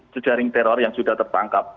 sejaring teror yang sudah tertangkap